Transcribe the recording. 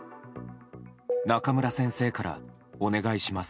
中村先生から、お願いします